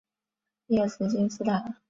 列兹金斯坦。